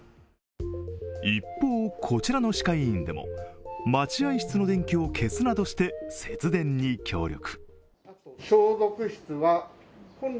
一方、こちらの歯科医院でも待合室の電気を消すなどして節電に協力。